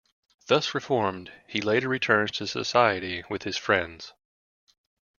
Thus reformed, he later returns to society with his friends.